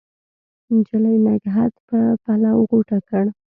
نجلۍ نګهت په پلو غوټه کړ